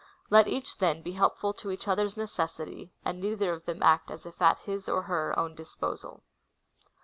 Let each then be hel^jful to each other's necessity, and neither of them act as if at liis or her own disposal.